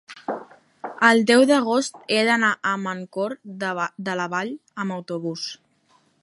El deu d'agost he d'anar a Mancor de la Vall amb autobús.